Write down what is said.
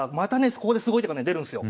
ここですごい手がね出るんすよ。